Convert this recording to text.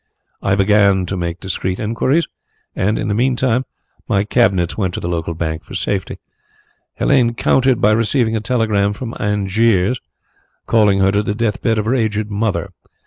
I began to make discreet inquiries and in the meantime my cabinets went to the local bank for safety. Helene countered by receiving a telegram from Angiers, calling her to the death bed of her aged mother.